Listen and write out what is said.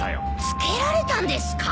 つけられたんですか？